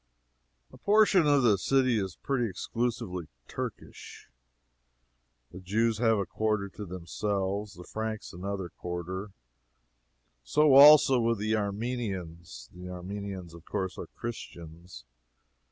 A portion of the city is pretty exclusively Turkish; the Jews have a quarter to themselves; the Franks another quarter; so, also, with the Armenians. The Armenians, of course, are Christians.